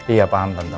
iya paham tante